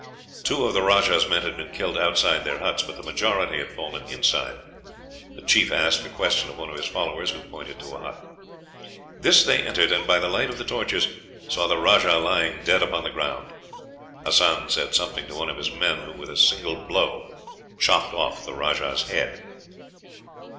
Two of the rajah's men had been killed outside their huts, but the majority had fallen inside. The chief asked a question of one of his followers, who pointed to a hut. This they entered, and by the light of the torches saw the rajah lying dead upon the ground. Hassan said something to one of his men, who, with a single blow, chopped off the rajah's head.